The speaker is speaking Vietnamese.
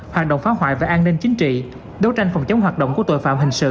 hoạt động phá hoại và an ninh chính trị đấu tranh phòng chống hoạt động của tội phạm hình sự